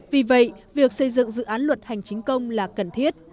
vì vậy việc xây dựng dự án luật hành chính công là cần thiết